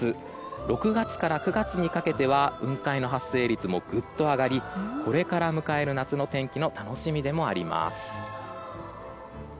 ６月から９月にかけては雲海の発生がありますのでこれから迎える夏の天気は楽しみでもあります。